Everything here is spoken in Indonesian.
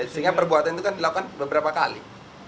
sehingga perbuatan itu kan dilakukan beberapa kali